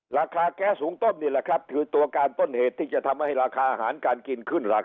ราคาแก๊สหุงต้มนี่แหละครับคือตัวการต้นเหตุที่จะทำให้ราคาอาหารการกินขึ้นราคา